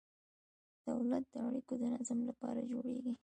دولت د اړیکو د نظم لپاره جوړیږي.